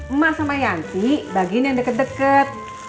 emak sama yanti bagin yang deket deket